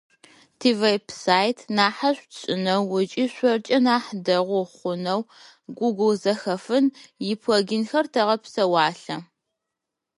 Тивеб-сайт нахьышӏу тшӏынэу ыкӏи шъоркӏэ ар нахь дэгъу хъунэу Гоогыл Зэхэфын иплагинхэр тэгъэпсэуалъэ.